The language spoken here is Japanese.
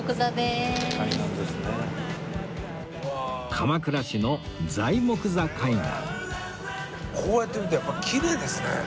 鎌倉市のこうやって見るとやっぱキレイですね。